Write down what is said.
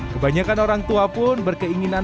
kebanyakan orang tua pun berkeinginan